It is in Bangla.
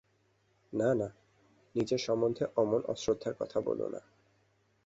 না না, নিজের সম্বন্ধে অমন অশ্রদ্ধার কথা বোলো না।